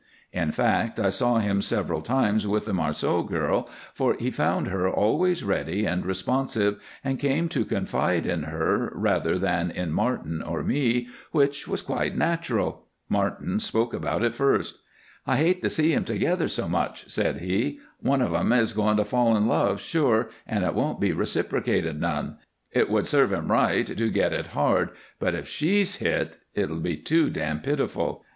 In fact, I saw him several times with the Marceau girl, for he found her always ready and responsive, and came to confide in her rather than in Martin or me, which was quite natural. Martin spoke about it first. "I hate to see 'em together so much," said he. "One of 'em is going to fall in love, sure, and it won't be reciprocated none. It would serve him right to get it hard, but if she's hit it'll be too dam' pitiful.